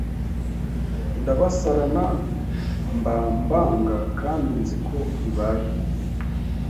Ndabasarana mba mbanga Kandi nzi ko bibaye